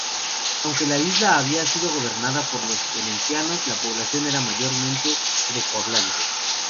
Aunque la isla había sido gobernada por los venecianos, la población era mayormente greco-hablante.